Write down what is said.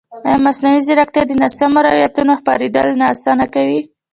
ایا مصنوعي ځیرکتیا د ناسمو روایتونو خپرېدل نه اسانه کوي؟